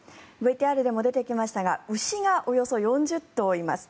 ＶＴＲでも出てきましたが牛がおよそ４０頭います。